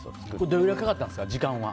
どれくらいかかったんですか時間は。